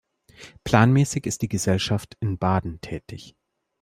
Planmäßig ist die Gesellschaft in Baden tätig.